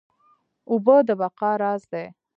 اوبه د بقا راز دي